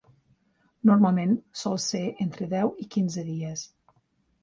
Normalment sol ser entre deu i quinze dies.